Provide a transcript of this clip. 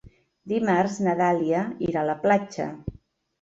Dimarts na Dàlia irà a la platja.